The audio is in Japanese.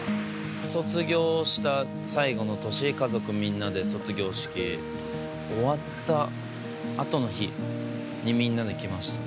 卒業した最後の年家族みんなで卒業式終わった後の日にみんなで来ました。